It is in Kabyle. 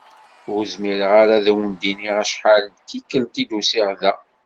Ur zmireɣ ara ad wen-d-iniɣ acḥal d tikelt i d-usiɣ da.